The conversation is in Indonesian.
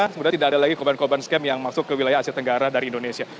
kemudian tidak ada lagi korban korban scam yang masuk ke wilayah asia tenggara dari indonesia